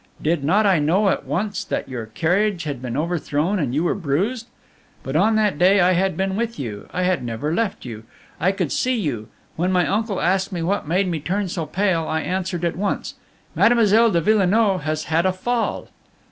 Did not I know, at once, that your carriage had been overthrown and you were bruised? But on that day I had been with you, I had never left you, I could see you. When my uncle asked me what made me turn so pale, I answered at once, 'Mademoiselle de Villenoix had has a fall.'